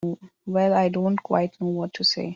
Well—I don't quite know what to say.